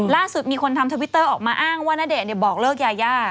ล่าสุดมีคนทำทวิตเตอร์ออกมาอ้างว่าณเดชน์บอกเลิกยายา